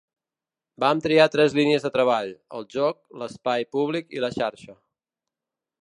Vam triar tres línies de treball: el joc, l’espai públic i la xarxa.